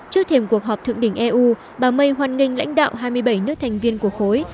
trước thềm cuộc họp thượng đỉnh eu bà may hoan nghênh lãnh đạo hai mươi bảy nước thành viên của khối